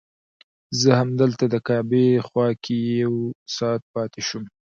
زه همدلته د کعبې خوا کې یو ساعت پاتې شوم.